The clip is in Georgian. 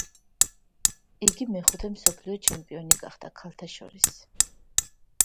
იგი მეხუთე მსოფლიო ჩემპიონი გახდა ქალთა შორის.